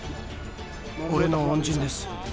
俺の恩人です。